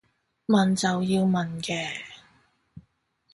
問就要問嘅